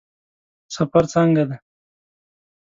سفر څنګه دی؟